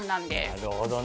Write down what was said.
なるほどね。